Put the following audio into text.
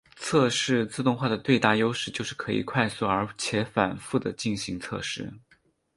测试自动化的最大优势就是可以快速而且反覆的进行测试。